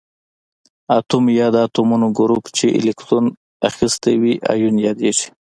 اتوم یا د اتومونو ګروپ چې الکترون اخیستی وي ایون یادیږي.